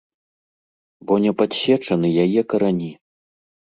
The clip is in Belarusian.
Бо не падсечаны яе карані.